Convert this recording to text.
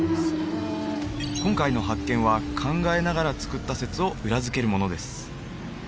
今回の発見は考えながら造った説を裏付けるものです